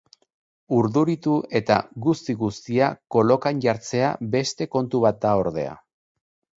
Urduritu eta guzti-guztia kolokan jartzea beste kontu bat da ordea.